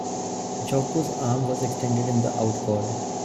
Jocko's arm was extended in the out call.